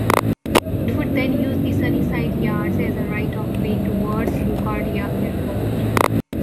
It would then use the Sunnyside Yards as a right-of-way towards LaGuardia Airport.